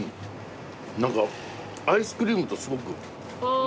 何かアイスクリームとすごく。